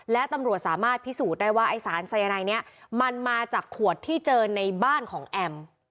และตำรวจสามารถพิสูจน์ได้ว่าไอ้สารสายนายนี้มันมาจากขวดที่เจอในบ้านของแอม